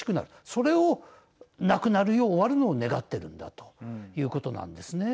それをなくなるよう終わるのを願っているんだということなんですね。